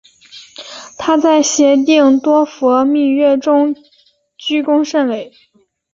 她在协定多佛密约中居功甚伟。